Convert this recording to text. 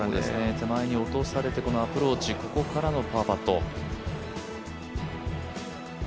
手前に落とされてこのアプローチここからのパーパット。